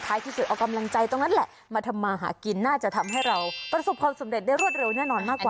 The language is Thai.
ที่สุดเอากำลังใจตรงนั้นแหละมาทำมาหากินน่าจะทำให้เราประสบความสำเร็จได้รวดเร็วแน่นอนมากกว่า